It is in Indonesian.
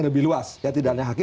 lebih luas ya tidak hanya hakim